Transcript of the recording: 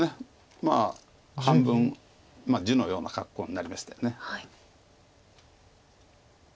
まあ半分地のような格好になりましたよね。